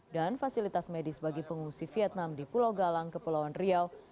dan fasilitas medis bagi pengungsi vietnam di pulau galang ke pulau andrial